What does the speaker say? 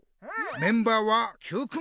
メンバーはＱくん。